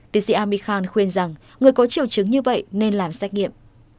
tiến sĩ ami khan khuyên rằng người có triệu chứng như vậy nên làm xét nghiệm